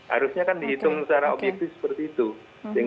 harusnya kan dihitung secara objektif jadi kalau kita hitung hitung kita hitung hitung